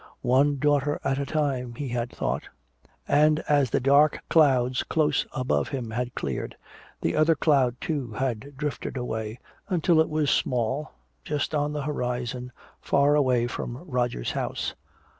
One daughter at a time, he had thought. And as the dark clouds close above him had cleared, the other cloud too had drifted away, until it was small, just on the horizon, far away from Roger's house.